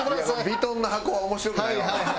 ヴィトンの箱は面白くないわ。